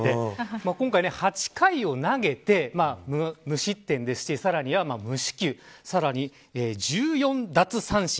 今回８回を投げて無失点で、さらには無四球さらに１４奪三振。